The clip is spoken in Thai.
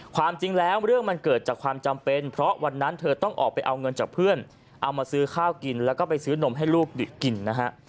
ความจริงแล้วเรื่องมันเกิดจากความจำเป็นเพราะวันนั้นเธอต้องออกไปเอาเงินจากเพื่อนเอามาซื้อข้าวกินแล้วก็ไปซื้อนมให้ลูกกินนะฮะ